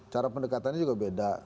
cara pendekatannya juga beda